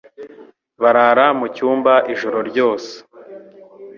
Barara mu cyumba ijoro ryose